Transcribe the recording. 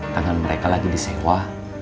tangan mereka lagi disewa